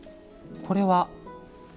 これは？